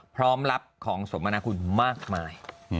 พร้อมรับของสมนาคุณมากมาย